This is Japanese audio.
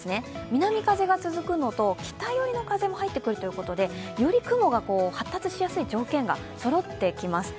南風が続くのと、北寄りの風も入ってくるということでより雲が発達しやすい条件がそろってきます。